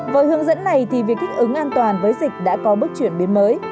với hướng dẫn này thì việc kích ứng an toàn với dịch đã có bước chuyển biến mới